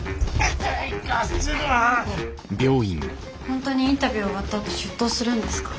本当にインタビュー終わったあと出頭するんですか？